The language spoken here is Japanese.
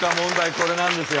これなんですよ。